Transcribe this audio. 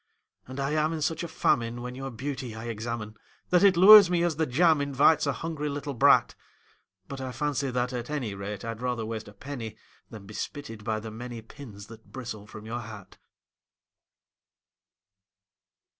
And I am in such a famine when your beauty I examine That it lures me as the jam invites a hungry little brat; But I fancy that, at any rate, I'd rather waste a penny Than be spitted by the many pins that bristle from your hat.